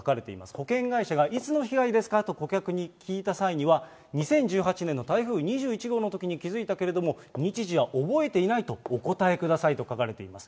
保険会社が、いつの被害ですか？と顧客に聞いた際には、２０１８年の台風２１号のときに気付いたけれども、日時は覚えていないとお答えくださいと書かれています。